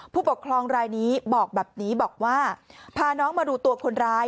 ผู้ปกครองรายนี้บอกแบบนี้บอกว่าพาน้องมาดูตัวคนร้าย